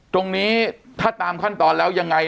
ตรงนี้ถ้าตามขั้นตอนแล้วยังไง